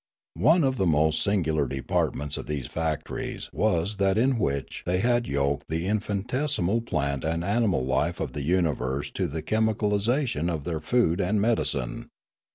One of the most singular departments of these factories was that in which they had yoked the infinitesimal plant and animal life of the universe to the chemical isati on of their food and medi cine.